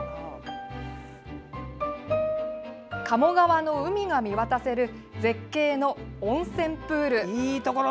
鴨川の海が見渡せる絶景の温泉プール。